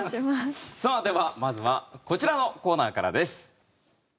では、まずはこちらのコーナーからです。